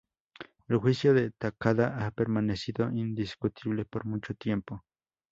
El juicio de Takada ha permanecido indiscutible por mucho tiempo.